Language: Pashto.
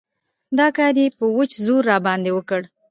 دا کار يې په وچ زور راباندې وکړ.